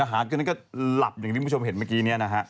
อาหารตัวนั้นก็หลับอย่างที่คุณผู้ชมเห็นเมื่อกี้นี้นะฮะ